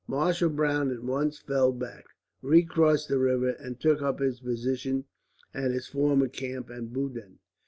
Marshal Browne at once fell back, recrossed the river, and took up his position at his former camp at Budin.